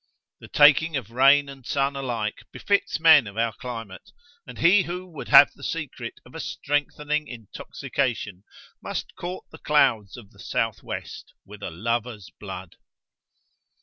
The taking of rain and sun alike befits men of our climate, and he who would have the secret of a strengthening intoxication must court the clouds of the South west with a lover's blood.